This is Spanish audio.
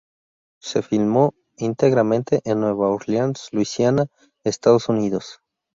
Se filmó íntegramente en Nueva Orleans, Luisiana, Estados Unidos.